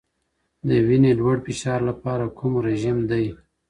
د وینی لوړ فشار لپاره کوم رژیم دی؟